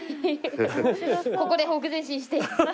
ここでほふく前進して。